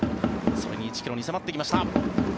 それに１ｋｍに迫ってきました。